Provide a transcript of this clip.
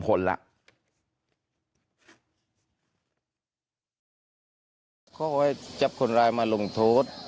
เพราะว่าจับคนร้ายมาลงทศ